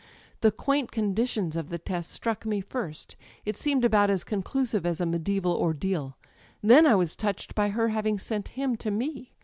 The quaint conditions of the test struck me first: it seemed about as conclusive as a medieval 'ordeal.' Then I was touched by her having sent him to me.